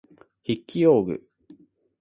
筆記用具